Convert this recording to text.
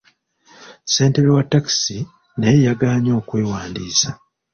Ssentebe wa ttakisi naye yagaanye okwewandiisa.